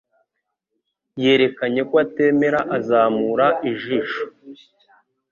Yerekanye ko atemera azamura ijisho.